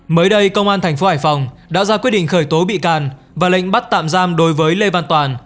mới đây công an thành phố hải phòng đã ra quyết định khởi tố bị can và lệnh bắt tạm giam đối với lê văn toàn